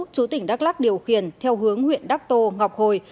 chú tỉnh đắk lắc điều khiển theo hướng huyện đắc tô ngọc hồi